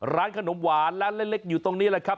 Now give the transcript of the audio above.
ร้านขนมหวานร้านเล็กอยู่ตรงนี้แหละครับ